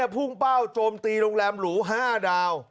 พุ่งเป้าโจมตีโรงแรมหรู๕ดาว